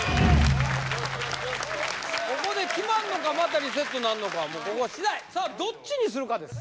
ここで決まんのかまたリセットなんのかここ次第さあどっちにするかです